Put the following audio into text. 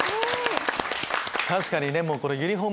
確かにね。